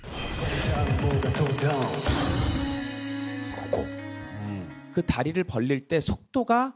ここ。